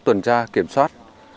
tuần tra kiểm soát